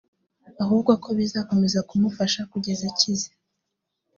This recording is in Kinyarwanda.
ahubwo ko bizakomeza kumufasha kugeza akize